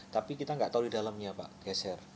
tapi kita nggak tahu di dalamnya pak geser